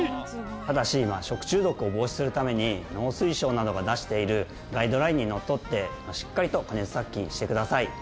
ただし食中毒を防止するために農水省などが出しているガイドラインにのっとってしっかりと加熱殺菌してください。